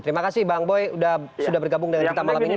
terima kasih bang boy sudah bergabung dengan kita malam ini